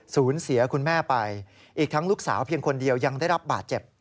เสียคุณแม่ไปอีกทั้งลูกสาวเพียงคนเดียวยังได้รับบาดเจ็บ